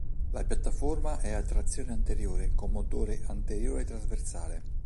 La piattaforma è a trazione anteriore con motore anteriore-trasversale.